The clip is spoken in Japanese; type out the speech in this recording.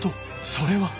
それは。